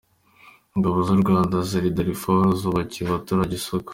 Ingabo z’ u Rwanda ziri Darifuru zubakiye abaturage isoko